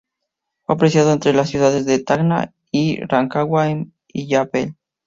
Fue apreciado entre las ciudades de Tacna y Rancagua, en Illapel.